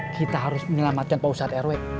kita harus menyelamatkan pusat rw